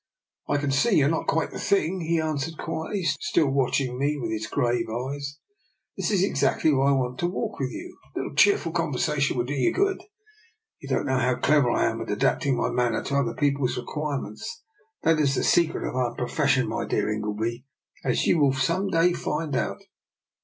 "" I can see you are not quite the thing," he answered quietly, still watching me with lO DR. NIKOLA'S EXPERIMENT. his grave eyes. " This is exactly why I want to walk with you. A little cheerful conver sation will do you good. You don't know how clever I am at adapting my manner to other people's requirements. That is the se cret of our profession, my dear Ingleby, as you will some day find out.''